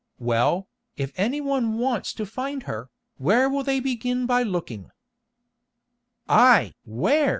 Well, if any one wants to find her, where will they begin by looking?" "Aye! where?"